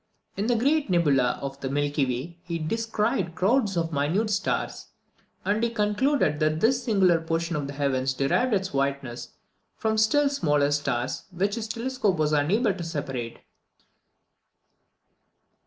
In the great nebula of the Milky Way, he descried crowds of minute stars; and he concluded that this singular portion of the heavens derived its whiteness from still smaller stars, which his telescope was unable to separate.